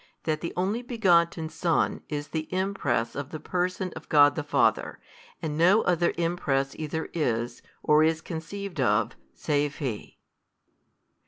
That the Only Begotten Son is the Impress of the Person of God the Father, and no other Impress either is, or is conceived of, save He.